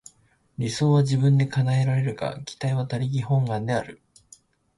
理想は自分で叶えられるが、期待は他力本願である。